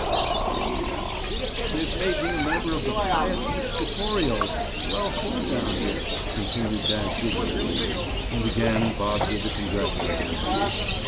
Bob did. "They've made me a member of the Pius Piscatorials—swell club down here," continued dad jubilantly, and again Bob did the congratulating act.